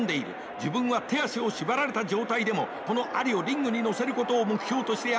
自分は手足を縛られた状態でもこのアリをリングに乗せることを目標としてやるんだと語りました。